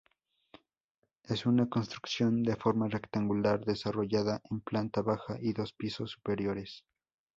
Es una construcción de forma rectangular desarrollada en planta baja y dos pisos superiores.